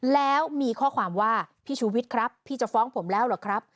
แล้วมีข้อความว่าพี่ชูวิทย์ครับพี่จะฟ้องผมแล้วเหรอครับ